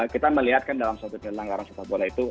kita melihatkan dalam satu titik keelenggaraan sepak bola itu